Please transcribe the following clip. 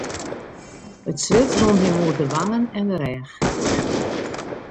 It swit rûn him oer de wangen en de rêch.